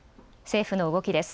政府の動きです。